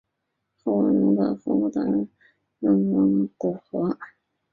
后凹尾龙的骨骸大致上类似泰坦巨龙类的骨骸。